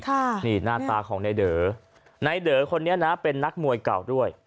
ค่ะนี่หน้าตาของในเด๋อในเดอคนนี้นะเป็นนักมวยเก่าด้วย